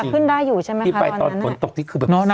แต่ขึ้นได้อยู่ใช่ไหมคะตอนนั้น